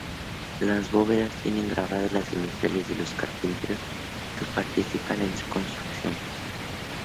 Las bóvedas tienen grabadas las iniciales de los carpinteros que participan en su construcción.